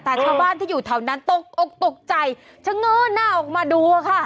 แต่ชาวบ้านที่อยู่เท่านั้นตกตกใจเช้งอ้อนหน้าออกมาดูอ่ะค่ะ